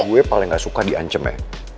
gue paling gak suka diancem ya